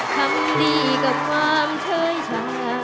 ทำดีกับความเชยชา